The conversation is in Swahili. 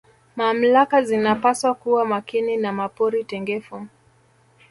mamlaka zinapaswa kuwa Makini na mapori tengefu